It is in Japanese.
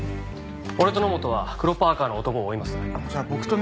俺と野本は黒パーカの男を追います。